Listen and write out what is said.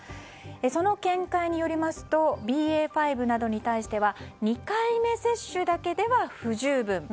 その見解によりますとＢＡ．５などに対しては２回目接種だけでは不十分。